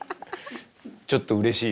ちょっとうれしいそれ。